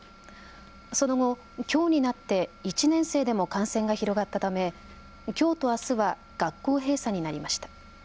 その後、きょうになって１年生でも感染が広がったためきょうとあすは学校閉鎖になりました。